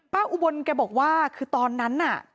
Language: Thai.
อุบลแกบอกว่าคือตอนนั้นน่ะ